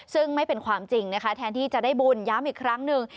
ซึ่งไม่เป็นความจริงนะคะแทนที่จะได้บุญย้ำอีกครั้งหนึ่ง